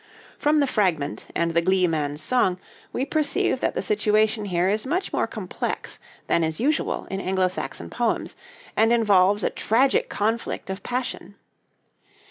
From the fragment and the gleeman's song we perceive that the situation here is much more complex than is usual in Anglo Saxon poems, and involves a tragic conflict of passion.